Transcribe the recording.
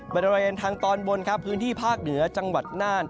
บริเวณทางตอนบนครับพื้นที่ภาคเหนือจังหวัดน่าน